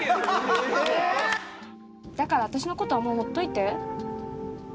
だから私のことはもうほっといて。